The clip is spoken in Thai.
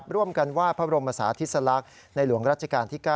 ร่วมกันวาดพระบรมศาธิสลักษณ์ในหลวงรัชกาลที่๙